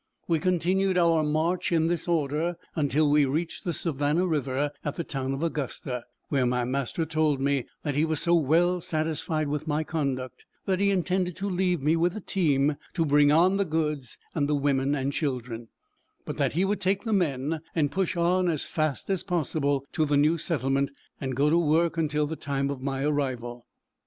We continued our march in this order until we reached the Savannah river at the town of Augusta, where my master told me that he was so well satisfied with my conduct, that he intended to leave me with the team to bring on the goods and the women and children; but that he would take the men and push on as fast as possible, to the new settlement, and go to work until the time of my arrival.